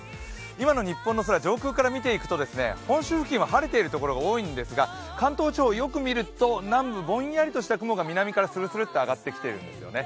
今の日本の空、上空から見ていくと本州は晴れているところが多いんですが関東地方、よく見ると、南部ぼんやりとした雲が南からスルスルと上がってきてるんですよね。